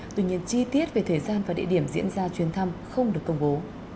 tuy nhiên chi tiết về thời gian và địa điểm diễn ra chuyến thăm không được công bố